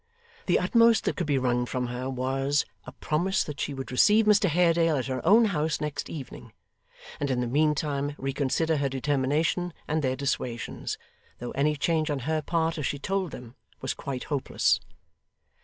The utmost that could be wrung from her was, a promise that she would receive Mr Haredale at her own house next evening, and in the mean time reconsider her determination and their dissuasions though any change on her part, as she told them, was quite hopeless.